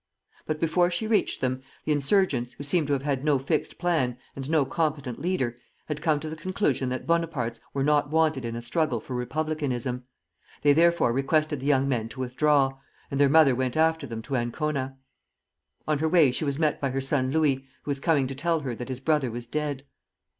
But before she reached them, the insurgents, who seem to have had no fixed plan and no competent leader, had come to the conclusion that Bonapartes were not wanted in a struggle for republicanism; they therefore requested the young men to withdraw, and their mother went after them to Ancona. On her way she was met by her son Louis, who was coming to tell her that his brother was dead.